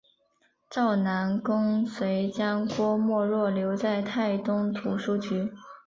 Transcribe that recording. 赵南公遂将郭沫若留在泰东图书局。